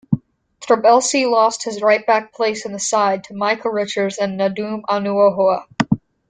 Trabelsi lost his right-back place in the side to Micah Richards and Nedum Onuoha.